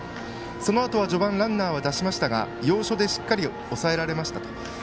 そのあとは序盤、ランナーは出しましたが要所でしっかり抑えられました。